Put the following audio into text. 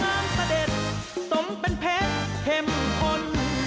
น้ำงามสะเด็ดสมเป็นเพชรเห็มพล